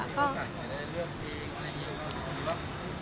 มุกก็อยากให้ได้เลือกเองอะไรอย่างนี้